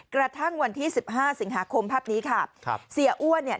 กระทั่งวันที่สิบห้าสิงหาคมภาพนี้ค่ะครับเสียอ้วนเนี่ย